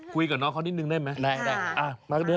ตีรังกะได้เหรอเฮ้ย